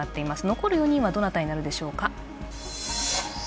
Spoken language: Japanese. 残る４人はどなたになるでしょうか。